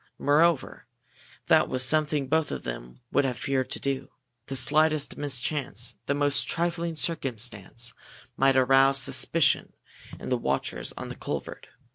Moreover, that was something both of them would have feared to do. The slightest mischance, the most trifling circumstance, might arouse suspicion in the watchers on the culvert.